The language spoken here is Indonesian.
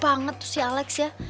baer banget tuh si alex ya